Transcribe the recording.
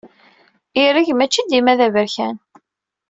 Ireg maci dima d aberkan.